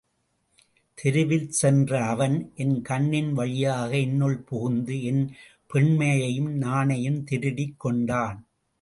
தெருவில் சென்ற அவன் என் கண்ணின் வழியாக என்னுள் புகுந்து என் பெண்மையையும் நாணையும் திருடிக் கொண்டான்.